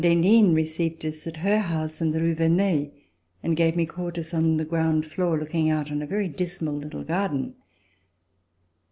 d'Henin, received us at her house in the Rue Verneuil, and gave me quarters on the ground floor looking out on a very dismal little garden.